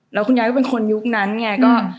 แล้วคุณยายก็เป็นคนยุคนั้นไง